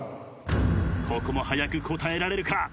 ここも早く答えられるか。